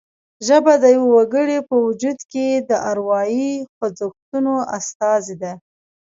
ژبه د یوه وګړي په وجود کې د اروايي خوځښتونو استازې ده